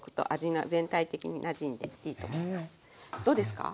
どうですか？